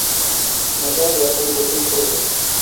মাঝেমাঝে একসাথে দুটোই ছিড়ে ফেলে।